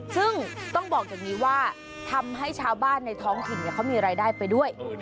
ซึ่งต้องบอกอย่างนี้ว่าทำให้ชาวบ้านในท้องถิ่นเขามีรายได้ไปด้วย